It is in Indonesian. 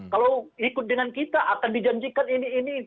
kalau ikut dengan kita akan dijanjikan ini ini